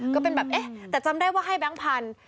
ก็เป็นแบบเอ๊ะแต่จำได้ว่าให้แบงค์พันธุ